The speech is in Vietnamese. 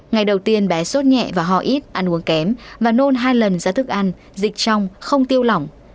ngày đầu tiên bé sốt nhẹ và ho ít ăn uống kém và nôn hai lần ra thức ăn dịch trong không tiêu lỏng